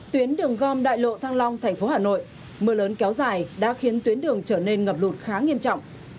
tuyến đường gom đại lộ thăng long thành phố hà nội mưa lớn kéo dài đã khiến tuyến đường trở nên ngập lụt khá nghiêm trọng